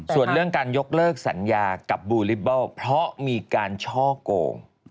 ส่วนเรื่องการยกเลิกสัญญากับบูลิเบิลเพราะมีการช่อโกง